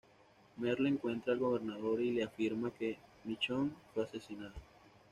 Merle encuentra al Gobernador y le afirma que Michonne fue asesinada.